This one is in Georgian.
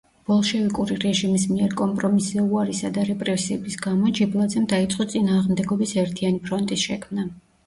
ბოლშევიკური რეჟიმის მიერ კომპრომისზე უარისა და რეპრესიების გამო ჯიბლაძემ დაიწყო წინააღმდეგობის ერთიანი ფრონტის შექმნა.